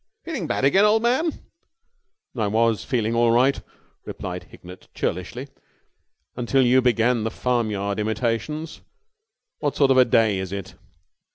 "Feeling bad again, old man?" "I was feeling all right," replied Hignett churlishly, "until you began the farmyard imitations. What sort of a day is it?"